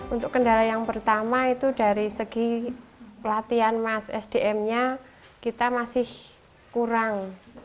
untuk kendala yang pertama itu dari segi pelatihan mas sdm nya kita masih kurang